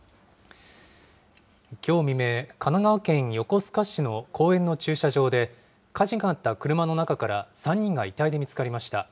きょう未明、神奈川県横須賀市の公園の駐車場で、火事があった車の中から３人が遺体で見つかりました。